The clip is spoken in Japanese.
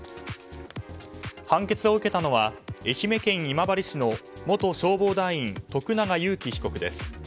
判決を受けたのは愛媛県今治市の元消防団員、徳永友希被告です。